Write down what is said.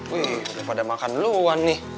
wih daripada makan luwani